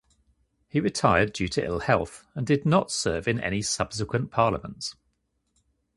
He retired due to ill health and did not serve in any subsequent parliaments.